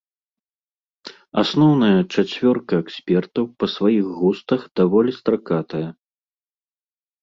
Асноўная чацвёрка экспертаў па сваіх густах даволі стракатая.